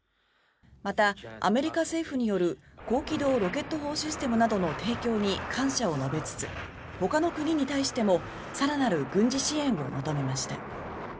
また、アメリカ政府による高機動ロケット砲システムなどの提供に感謝を述べつつほかの国に対しても更なる軍事支援を求めました。